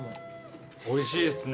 おいしいっすね。